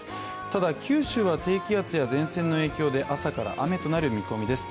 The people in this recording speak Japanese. ただ九州は低気圧や前線の影響で朝から雨となる見込みです。